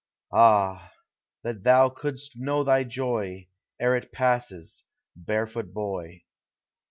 Ah! that thou couldst know thy joy, Ere it passes, barefoot boy!